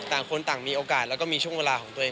ต่างคนต่างมีโอกาสแล้วก็มีช่วงเวลาของตัวเอง